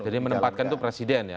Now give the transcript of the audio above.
jadi menempatkan itu presiden ya